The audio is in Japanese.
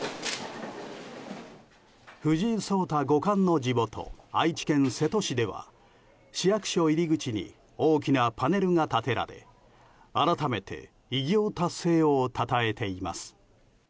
藤井聡太五冠の地元・愛知県瀬戸市では市役所入り口に大きなパネルが立てられ改めて偉業達成をたたえています。